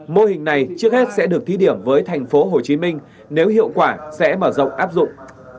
mô hình này trước hết sẽ được thí điểm với tp hcm nếu hiệu quả sẽ mở rộng áp dụng